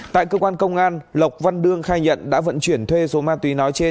tại cơ quan công an lộc văn đương khai nhận đã vận chuyển thuê số ma túy nói trên